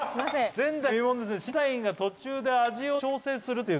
前代未聞ですね審査員が途中で味を調整するっていう。